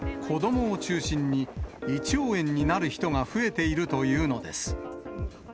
子どもを中心に、胃腸炎になる人が増えているというのです。